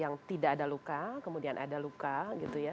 yang tidak ada luka kemudian ada luka gitu ya